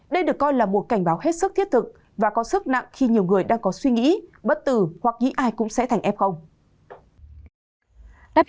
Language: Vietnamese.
đây được coi là một cảnh báo hết sức thiết thực và có sức nặng khi nhiều người đang có suy nghĩ bất tử hoặc nghĩ ai cũng sẽ thành ép không